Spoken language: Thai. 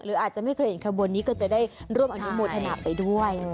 หรืออาจจะไม่เคยเห็นความบนนี้ก็จะได้ร่วมอันนี้โมทนาไปด้วย